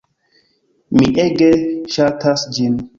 Mi ege ŝatas ĝin.